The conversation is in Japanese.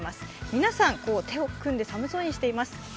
皆さん、手を組んで寒そうにしています。